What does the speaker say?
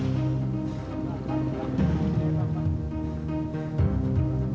kukukan seorang raga yang punya banyak kapal